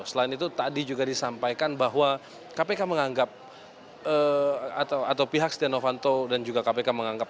selain itu tadi juga disampaikan bahwa kpk menganggap atau pihak setia novanto dan juga kpk menganggap